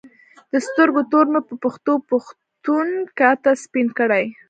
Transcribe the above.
د سترګو تور مې په پښتو پښتون کاته سپین کړي